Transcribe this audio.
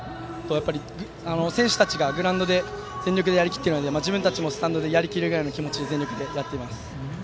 やっぱり、選手たちがグラウンドで全力でやりきっているので自分たちもスタンドでやりきるぐらい全力でやっています。